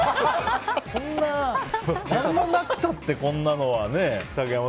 こんな、何もなくたってこんなのはね。